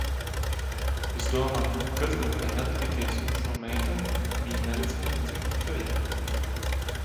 Es domāju, kas gan varēja atgadīties ar šo meiteni, ka viņa neredzēja citu ceļu?